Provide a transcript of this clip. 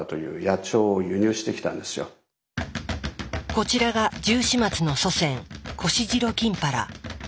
こちらがジュウシマツの祖先コシジロキンパラ。